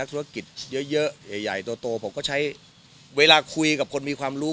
ธุรกิจเยอะใหญ่โตผมก็ใช้เวลาคุยกับคนมีความรู้